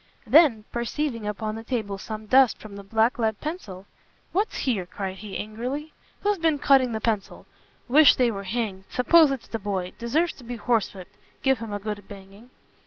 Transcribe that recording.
Then perceiving upon the table some dust from the black lead pencil, "What's here?" cried he, angrily, "who's been cutting the pencil? wish they were hanged; suppose it's the boy; deserves to be horsewhipped: give him a good banging."